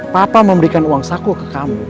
papa memberikan uang saku ke kamu